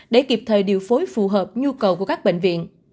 để kịp thời điều phối phù hợp nhu cầu của các bệnh viện